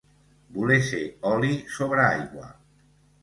Voler ser oli sobre aigua.